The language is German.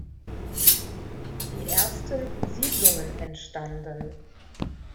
Die ersten Siedlungen entstanden.